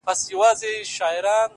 گراني خبري سوې پرې نه پوهېږم-